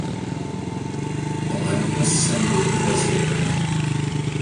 Palaidotas Sen Deni bazilikoje.